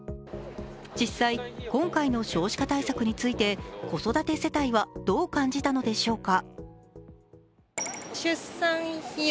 実際、今回の少子化対策について子育て世帯はどう感じたのでしょうか。